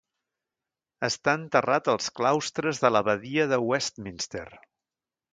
Està enterrat als claustres de l'Abadia de Westminster.